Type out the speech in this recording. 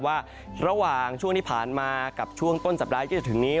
ว่าระหว่างช่วงที่ผ่านมากับช่วงต้นสัปดาห์ที่จะถึงนี้